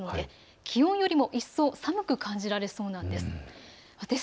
気温よりも一層寒く感じそうです。